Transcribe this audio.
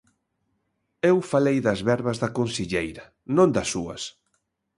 Eu falei das verbas da conselleira, non das súas.